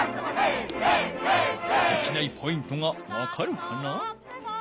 できないポイントがわかるかな？